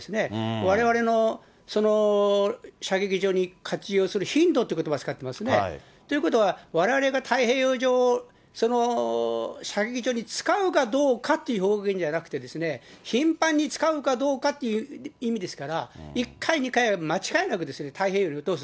われわれの射撃場に活用する頻度ってことば使ってますね。ということは、われわれが太平洋上、射撃場に使うかどうかっていう表現じゃなくて、頻繁に使うかどうかっていう意味ですから、１回、２回は間違いなく太平洋に落とす。